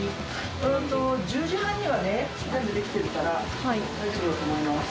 えっと、１０時半にはね、全部出来てるから、大丈夫だと思います。